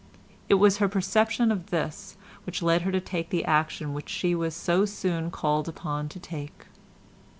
It was her perception of this which led her to take the action which she was so soon called upon to take.